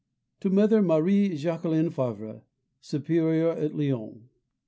_To Mother Marie Jacqueline Favre, Superior at Lyons.